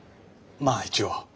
まあ一応。